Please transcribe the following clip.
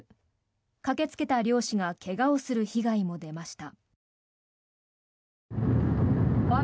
駆けつけた猟師が怪我をする被害も出ました。